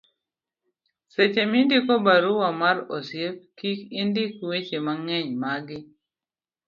seche mindiko barua mar osiep kik indik weche mang'eny magi